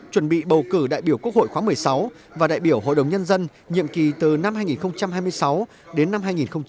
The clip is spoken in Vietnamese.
chuẩn bị bầu cử đại biểu quốc hội khóa một mươi sáu và đại biểu hội đồng nhân dân nhiệm kỳ từ năm hai nghìn hai mươi sáu đến năm hai nghìn hai mươi sáu